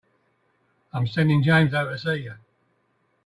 I'm sending James over to see you.